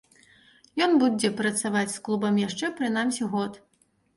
Ён будзе працаваць з клубам яшчэ прынамсі год.